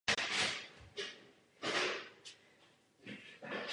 Až pak budeme mít rozumné ceny.